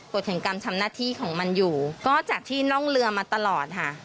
แห่งการทำหน้าที่ของมันอยู่ก็จากที่ร่องเรือมาตลอดค่ะ